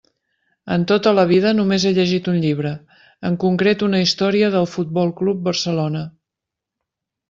En tota la vida només he llegit un llibre, en concret una història del Futbol Club Barcelona.